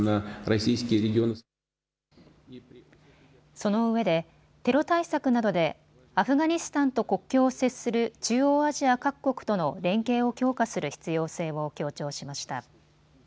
そのうえでテロ対策などでアフガニスタンと国境を接する中央アジア各国との連携を強化する必要性を強調しました。